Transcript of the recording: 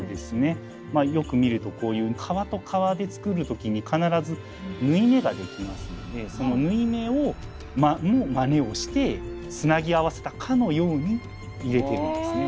よく見るとこういう革と革で作る時に必ず縫い目ができますのでその縫い目のマネをしてつなぎ合わせたかのように入れているんですね